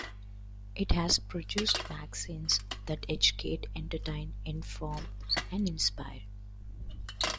It has produced magazines that educate, entertain, inform and inspire.